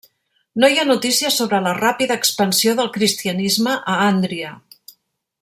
No hi ha notícies sobre la ràpida expansió del cristianisme a Àndria.